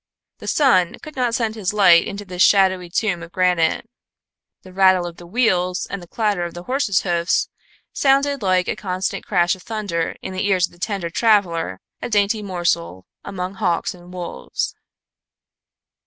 The sun could not send his light into this shadowy tomb of granite. The rattle of the wheels and the clatter of the horses' hoofs sounded like a constant crash of thunder in the ears of the tender traveler, a dainty morsel among hawks and wolves.